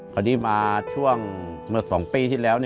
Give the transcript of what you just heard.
พอดีมาช่วงเมื่อสองปีที่แล้ว